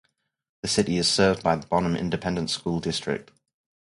The city is served by the Bonham Independent School District.